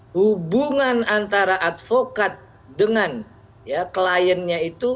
hubungan antara advokat dengan kliennya itu